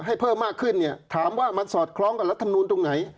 ให้เพิ่มมากขึ้นถามว่ามันสอดคล้องกับรัฐธรรมนุนตรงไหน